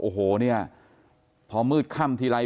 โอ้โหเนี่ยพอมืดค่ำทีไร